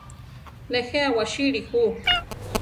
Nejé awasíli ju.